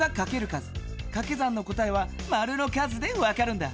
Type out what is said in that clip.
かけ算の答えはマルの数でわかるんだ。